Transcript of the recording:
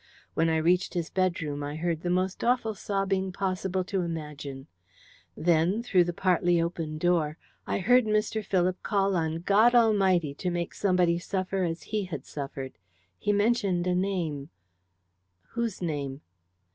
When I reached his bedroom, I heard the most awful sobbing possible to imagine. Then, through the partly open door, I heard Mr. Philip call on God Almighty to make somebody suffer as he had suffered. He mentioned a name " "Whose name?"